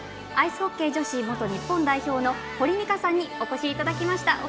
アイスホッケー女子元日本代表の堀珠花さんにお越しいただきました。